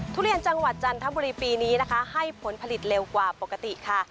ทุเรียนจังหวัดจันทบุรีปีนี้นะคะให้ผลผลิตเร็วกว่าปกติค่ะ